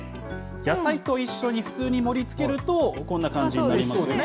野菜と一緒に普通に盛りつけると、こんな感じになりますよね。